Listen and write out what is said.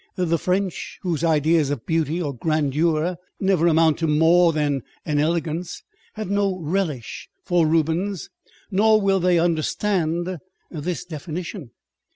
The French, whose ideas of beauty or grandeur never amount to more than an elegance, have no relish for Rubens, nor will they understand this definition.